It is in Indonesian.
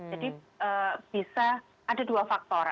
jadi bisa ada dua faktor